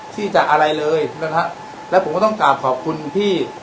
ที่จะอะไรเลยนะครับแล้วผมก็ต้องกลับขอบคุณพี่